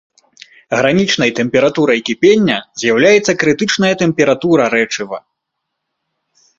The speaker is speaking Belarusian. Гранічнай тэмпературай кіпення з'яўляецца крытычная тэмпература рэчыва.